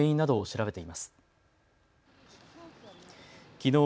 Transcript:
きのう